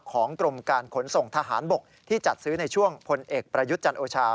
ของกรมการขนส่งทหารบกที่จัดซื้อในช่วงพลเอกประยุทธ์จันโอชา